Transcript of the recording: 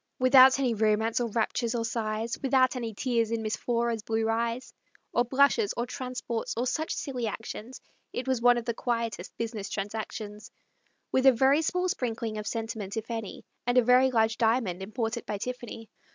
Without any romance, or raptures, or sighs, Without any tears in Miss Flora's blue eyes, Or blushes, or transports, or such silly actions, It was one of the quietest business transactions, With a very small sprinkling of sentiment, if any, And a very large diamond imported by Tiffany.